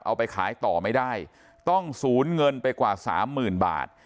เอาไปขายต่อไม่ได้ต้องสูญเงินไปกว่าสามหมื่นบาท